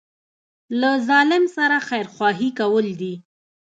له ظالم سره خیرخواهي کول دي.